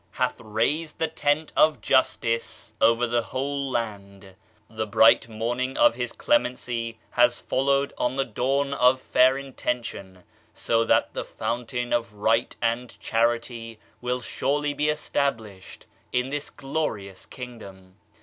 15 Digitized by Google MYSTERIOUS FORCES the whole land; the bright morning of his clemency has followed on the dawn of fair inten tion, so that the fountain of right and chari^ will surely be established in this glorious kingdom.